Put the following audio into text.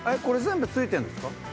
これ全部付いてるんですか？